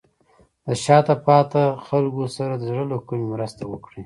د شاته پاتې خلکو سره د زړه له کومې مرسته وکړئ.